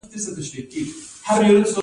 د کانګو د مخنیوي لپاره یخې اوبه وڅښئ